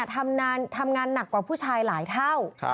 ทำงานหนักกว่าผู้ชายหลายเท่า